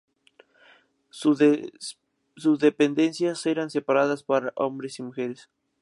Sus dependencias eran separadas para hombres y mujeres.